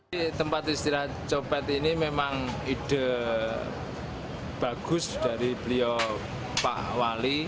di tempat istirahat copet ini memang ide bagus dari beliau pak wali